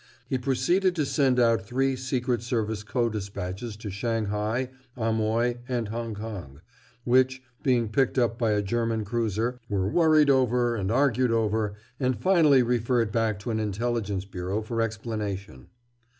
He proceeded to send out three Secret Service code despatches to Shanghai, Amoy and Hong Kong, which, being picked up by a German cruiser, were worried over and argued over and finally referred back to an intelligence bureau for explanation.